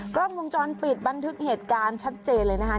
กล้องวงจรปิดบันทึกเหตุการณ์ชัดเจนเลยนะคะ